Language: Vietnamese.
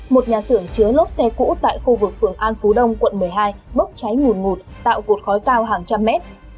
một nhà xưởng chứa lốp xe cũ tại khu vực phường an phú đông quận một mươi hai bốc cháy ngủn ngụt tạo cột khói cao hàng trăm mét